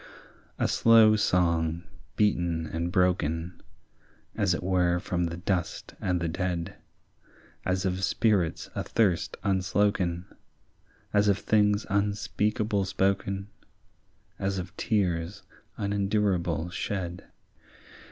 A slow song beaten and broken, As it were from the dust and the dead, As of spirits athirst unsloken, As of things unspeakable spoken, As of tears unendurable shed.